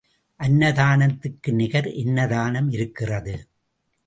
அன்னதானத்துக்கு நிகர் என்ன தானம் இருக்கிறது?